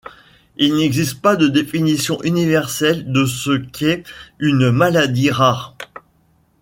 Il n'existe pas de définition universelle de ce qu'est une maladie rare.